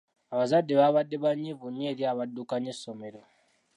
Abazadde baabadde banyiivu nnyo eri abaddukanya essommero.